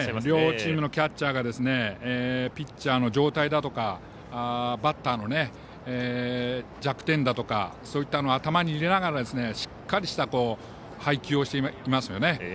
両チームのキャッチャーがピッチャーの状態だとかバッターの弱点だとかそういったものを頭に入れながらしっかりした配球をしていますよね。